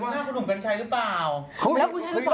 มันลอกข้านุ่มกันร่างข่ายหรือเปล่า